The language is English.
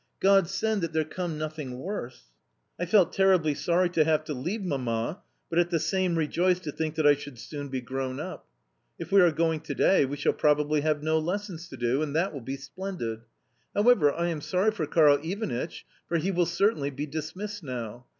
"God send that there come nothing worse!" I felt terribly sorry to have to leave Mamma, but at the same rejoiced to think that I should soon be grown up, "If we are going to day, we shall probably have no lessons to do, and that will be splendid. However, I am sorry for Karl Ivanitch, for he will certainly be dismissed now.